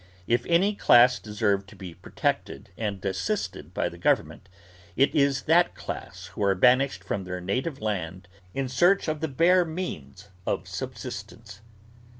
If any class deserve to be protected and assisted by the Government, it is that class who are banished from their native land in search of the bare means of subsistence.